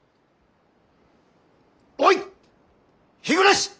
おい日暮！